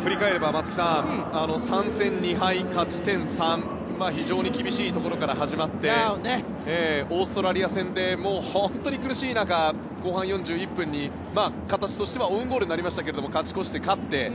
振り返れば、松木さん３戦２敗、勝ち点３と非常に厳しいところから始まってオーストラリア戦で本当に苦しい中後半４１分に形としてはオウンゴールになりましたが勝ち越して、勝って。